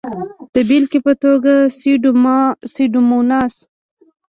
د بېلګې په توګه سیوډوموناس.